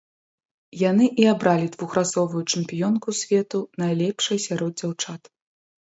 Яны і абралі двухразовую чэмпіёнку свету найлепшай сярод дзяўчат.